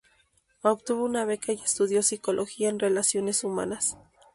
Obtuvo una beca y estudió psicología en relaciones humanas.